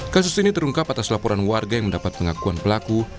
kasus ini terungkap atas laporan warga yang mendapat pengakuan pelaku